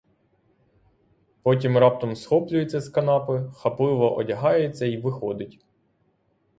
Потім раптом схоплюється з канапи, хапливо одягається й виходить.